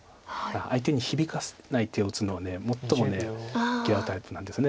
相手に響かない手を打つのが最も嫌うタイプなんです。